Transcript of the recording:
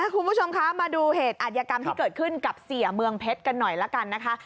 คุณผู้ชมคะมาดูเหตุอัธยกรรมที่เกิดขึ้นกับเสียเมืองเพชรกันหน่อยละกันนะคะ